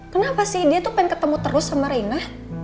kenapa sih dia tuh pengen ketemu terus sama rina